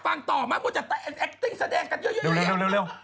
ฟังต่อมามันจะแตะแอคติ้งแสดงกันเยอะ